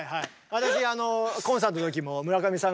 私コンサートの時も村上さん